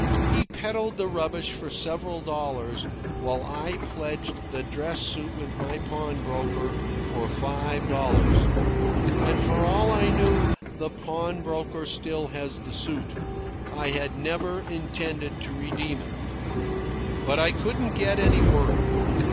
He peddled the rubbish for several dollars, while I pledged the dress suit with my pawnbroker for five dollars. And for all I know the pawnbroker still has the suit. I had never intended to redeem it. But I couldn't get any work.